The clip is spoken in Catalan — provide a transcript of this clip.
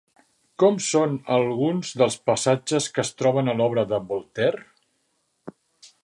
Com són alguns dels passatges que es troben a l'obra de Voltaire?